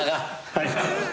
はい。